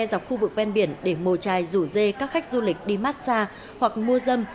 dọc khu vực ven biển để mồ trài rủ dê các khách du lịch đi massage hoặc mua dâm